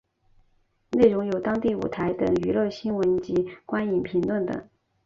内容有当地舞台等娱乐圈新闻及观影评论等。